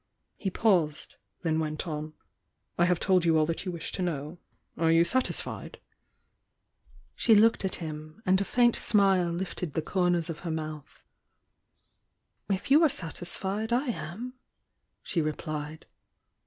He paused,— then went on. "I have told you all that you wished to know. Are you satisfied?" 14 li If 210 THE YOUNG DIANA She looked at him, and a faint smile lifted the comers of her mouth. "If you are satisfied, I am," she replied.